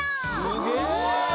すげえ！